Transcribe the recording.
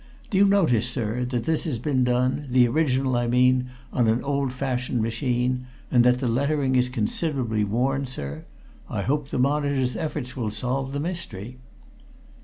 Do you notice, sir, that this has been done the original, I mean on an old fashioned machine, and that the lettering is considerably worn, sir? I hope the Monitor's efforts will solve the mystery!"